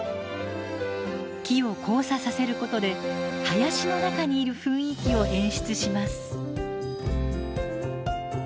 木を交差させることで林の中にいる雰囲気を演出します。